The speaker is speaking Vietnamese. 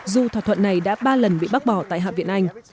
dù thỏa thuận này đã ba lần bị bác bỏ tại hạ viện anh